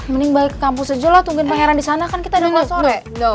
mending balik kampus aja lah tungguin pangeran disana kan kita nungguin sore